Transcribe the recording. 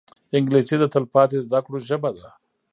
انګلیسي د تلپاتې زده کړو ژبه ده